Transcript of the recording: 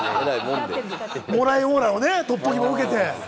もらいオーラをトッポギも受けて。